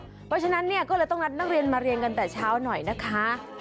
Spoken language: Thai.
เพราะฉะนั้นเนี่ยก็เลยต้องนัดนักเรียนมาเรียนกันแต่เช้าหน่อยนะคะ